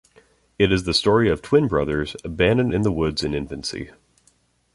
It is the story of twin brothers, abandoned in the woods in infancy.